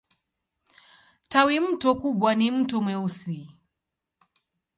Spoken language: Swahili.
Tawimto kubwa ni Mto Mweusi.